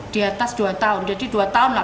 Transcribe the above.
di atas dua tahun jadi dua tahun